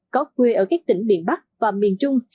có quê ở các tỉnh miền bắc và miền trung